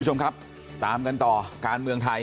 คุณผู้ชมครับตามกันต่อการเมืองไทย